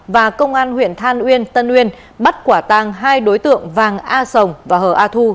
và công an huyện than uyên tân uyên bắt quả tàng hai đối tượng vàng a sồng và hờ a thu